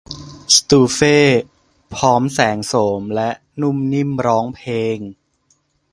สตูเฟ่พร้อมแสงโสมและนุ่มนิ่มร้องเพลง